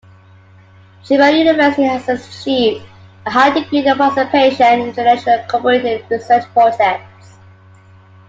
Chiba University has achieved a high degree of participation in international cooperative research projects.